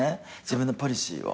自分のポリシーを。